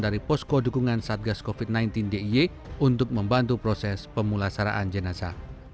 dari posko dukungan satgas covid sembilan belas diy untuk membantu proses pemulasaraan jenazah